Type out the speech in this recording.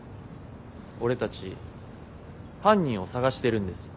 俺たち犯人を捜してるんです。